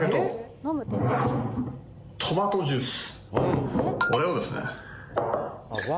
トマトジュース。